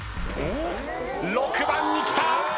６番にきた！